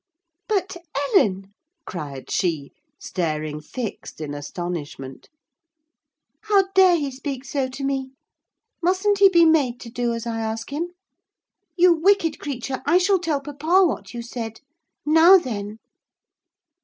"But, Ellen," cried she, staring fixed in astonishment, "how dare he speak so to me? Mustn't he be made to do as I ask him? You wicked creature, I shall tell papa what you said.—Now, then!"